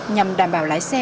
nhằm đảm bảo lái xe